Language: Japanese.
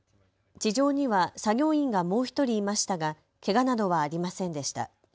地上には作業員がもう１人いましたがけがなどはありませんでした。